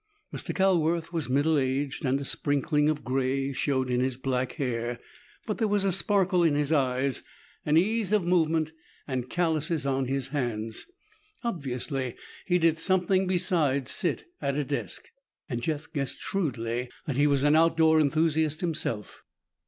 Mr. Calworth was middle aged, and a sprinkling of gray showed in his black hair. But there was a sparkle in his eyes, an ease of movement and callouses on his hands. Obviously he did something besides sit at a desk, and Jeff guessed shrewdly that he was an outdoor enthusiast himself.